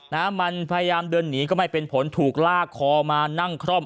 นะฮะมันพยายามเดินหนีก็ไม่เป็นผลถูกลากคอมานั่งคร่อม